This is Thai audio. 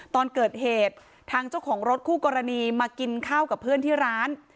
ตอนเกิดเหตุทางเจ้าของรถคู่กรณีมากินข้าวกับเพื่อนที่ร้าน